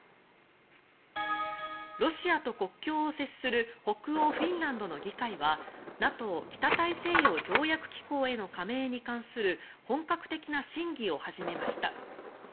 ロシアと国境を接する北欧フィンランドの議会はＮＡＴＯ・北大西洋条約機構への加盟に関する本格的な審議を始めました。